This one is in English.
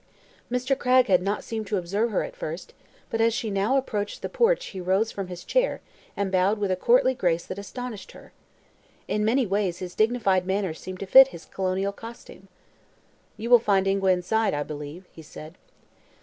Mr. Cragg had not seemed to observe her, at first, but as she now approached the porch he rose from his chair and bowed with a courtly grace that astonished her. In many ways his dignified manners seemed to fit his colonial costume. "You will find Ingua inside, I believe," he said.